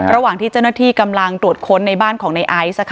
ระหว่างที่เจ้าหน้าที่กำลังตรวจค้นในบ้านของในไอซ์